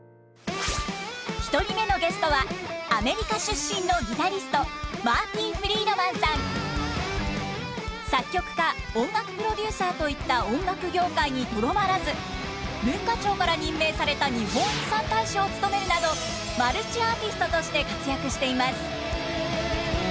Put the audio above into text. １人目のゲストはアメリカ出身の作曲家音楽プロデューサーといった音楽業界にとどまらず文化庁から任命された日本遺産大使を務めるなどマルチアーティストとして活躍しています。